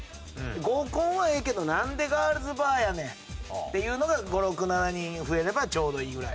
合コンはええけどなんでガールズバーやねんっていうのが５６７人増えればちょうどいいぐらい。